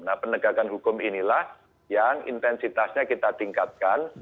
nah penegakan hukum inilah yang intensitasnya kita tingkatkan